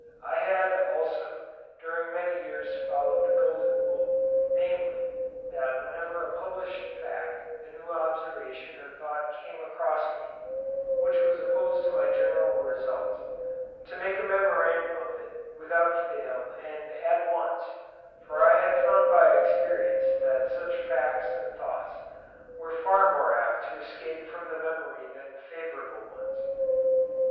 I had, also, during many years followed a golden rule, namely, that whenever a published fact, a new observation or thought came across me, which was opposed to my general results, to make a memorandum of it without fail and at once; for I had found by experience that such facts and thoughts were far more apt to escape from the memory than favourable ones.